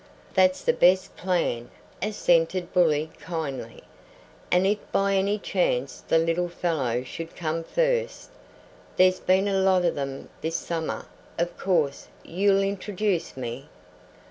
"That's the best plan," assented Bully, kindly. "And if by any chance the little fellow should come first, there's been a lot of them this summer of course you'll introduce me?"